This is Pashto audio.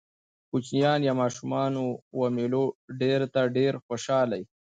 کوچنيان يا ماشومان و مېلو ډېر ته ډېر خوشحاله يي.